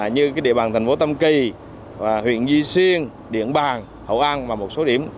như địa bàn thành phố tâm kỳ huyện duy xuyên điện bàng hậu an và một số điểm